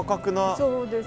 そうです。